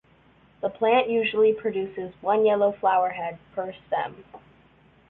The plant usually produces one yellow flower head per stem.